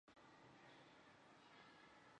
周文王子曹叔振铎后裔。